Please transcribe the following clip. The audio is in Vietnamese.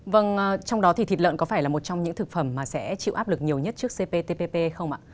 vâng trong đó thì thịt lợn có phải là một trong những thực phẩm mà sẽ chịu áp lực nhiều nhất trước cptpp không ạ